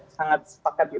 sangat sepakat gitu